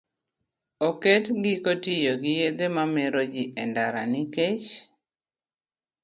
Oket giko tiyo gi yedhe mamero e ndara nikech